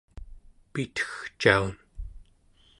pitegcaun